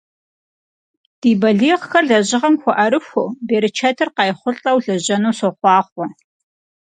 Ди балигъхэр лэжьыгъэм хуэӀэрыхуэу, берычэтыр къайхъулӀэу лэжьэну сохъуахъуэ!